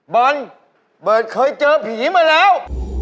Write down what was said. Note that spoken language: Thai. เบิร์นเบิร์ดเคยเจอผีมาแล้ว